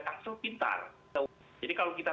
langsung pintar jadi kalau kita